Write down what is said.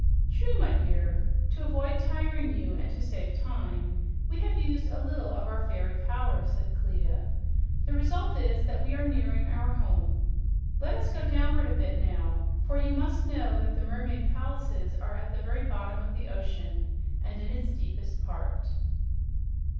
"True, my dear. To avoid tiring you and to save time, we have used a little of our fairy power," said Clia. "The result is that we are nearing our home. Let us go downward a bit, now, for you must know that the mermaid palaces are at the very bottom of the ocean, and in its deepest part."